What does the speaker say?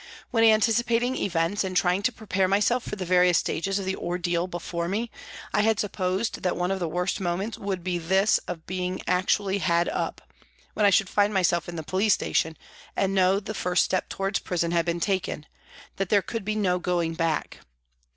When anticipating events, and trying to prepare myself for the various stages of the ordeal before me, I had supposed that one of the worst moments would be this of being actually " had up," when I should find myself in the police station and know the first step towards prison had been taken ; that there could be no going back.